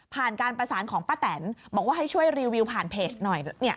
การประสานของป้าแตนบอกว่าให้ช่วยรีวิวผ่านเพจหน่อย